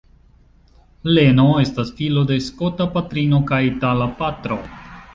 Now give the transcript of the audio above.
Leno estas filo de skota patrino kaj itala patro.